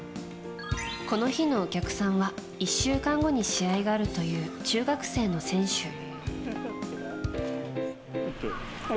この日のお客さんは１週間後に試合があるという中学生の選手。